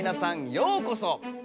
ようこそ。